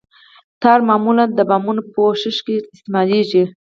ټار معمولاً د بامونو په پوښښ کې استعمالیږي